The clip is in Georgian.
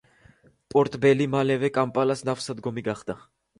პორტ ბელი მალევე კამპალას ნავსადგომი გახდა.